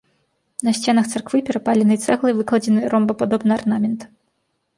На сценах царквы перапаленай цэглай выкладзены ромбападобны арнамент.